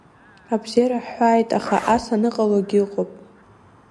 Абзиара ҳҳәааит, аха ас аныҟалогьы ыҟоуп…